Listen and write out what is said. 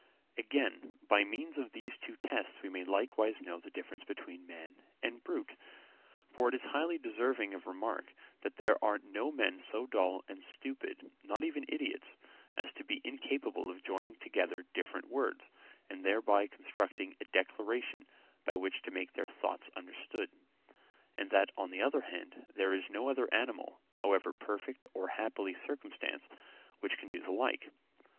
Again, by means of these two tests we may likewise know the difference between men and brutes. For it is highly deserving of remark, that there are no men so dull and stupid, not even idiots, as to be incapable of joining together different words, and thereby constructing a declaration by which to make their thoughts understood; and that on the other hand, there is no other animal, however perfect or happily circumstanced, which can do the like.